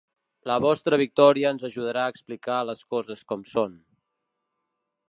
La vostra victòria ens ajudarà a explicar les coses com són.